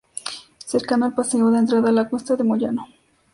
Cercano al paseo da entrada a la cuesta de Moyano.